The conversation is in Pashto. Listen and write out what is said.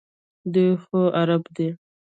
دوی خو عرب دي.